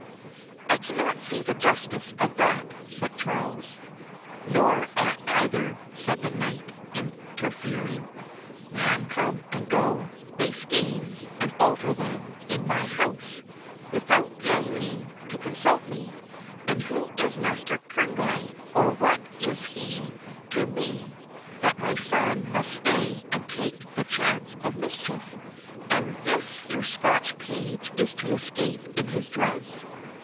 "I cannot see the justice of that," said Charles. "Nor I neither," said the knight, interfering. "Men come and go, lay schemes, and alter them, in my house, without deigning to consult me! And who is Master Kerneguy, or what is he to me, that my son must stay and take the chance of mischief, and this your Scotch page is to escape in his dress?